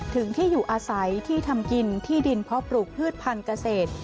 ถึงที่อยู่อาศัยที่ทำกินที่ดินเพาะปลูกพืชพันธุ์เกษตร